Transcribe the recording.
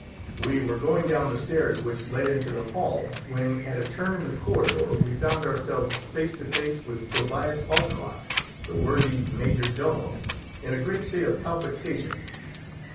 We were going down the stairs which led into the hall, when, at a turn in the corridor, we found ourselves face to face with Tobias Offenloch, the worthy major domo, in a great state of palpitation.